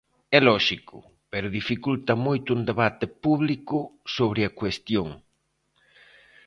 "É lóxico, pero dificulta moito un debate público sobre a cuestión".